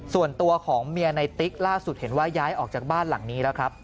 ส่วนตัวของเมียในติ๊กล่าสุดเห็นว่าย้ายออกจากบ้านหลังนี้แล้วครับ